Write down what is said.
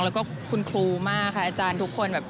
แล้วก็คุณครูมากค่ะอาจารย์ทุกคนแบบ